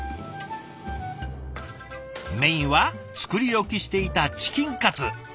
メインは作り置きしていたチキンカツ。